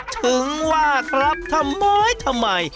ถึงว่าครับทำไมทำไม